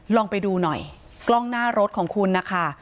ลองไปดูหน่อยกล้องหน้ารถของคุณนะคะ